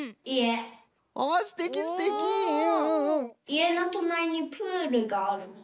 いえのとなりにプールがあるの。